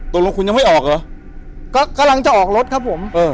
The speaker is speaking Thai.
ตัวรถคุณยังไม่ออกเหรอกำลังจะออกรถครับผม